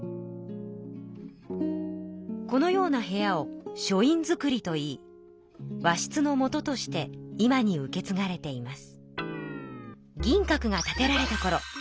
このような部屋を書院造といい和室の元として今に受けつがれています。